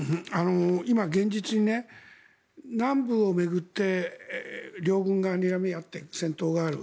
今現実に、南部を巡って両軍がにらみ合ってる戦闘がある。